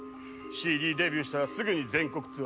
ＣＤデビューしたらすぐに全国ツアー。